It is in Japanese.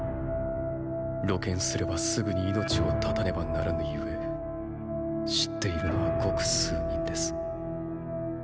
露見すればすぐに命を絶たねばならぬ故知っているのはごく数人です。